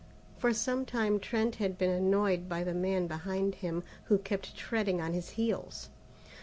For some time Trent had been annoyed by the man behind him, who kept treading on his heels.